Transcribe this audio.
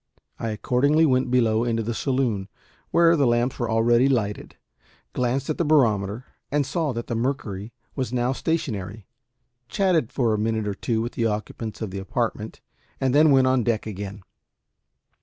I accordingly went below into the saloon, where the lamps were already lighted, glanced at the barometer and saw that the mercury was now stationary, chatted for a minute or two with the occupants of the apartment, and then went on deck again.